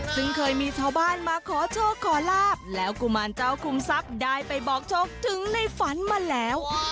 ซึ่งเคยมีชาวบ้านมาขอโชคขอลาบแล้วกุมารเจ้าคุมทรัพย์ได้ไปบอกโชคถึงในฝันมาแล้ว